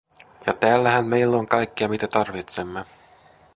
Ja täällähän meillä on kaikkea mitä tarvitsemme.